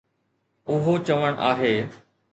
اهو چوڻ آهي.